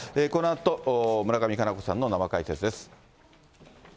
このあと村上佳菜子さんの生解説です。